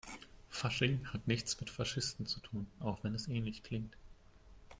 Fasching hat nichts mit Faschisten zu tun, auch wenn es ähnlich klingt.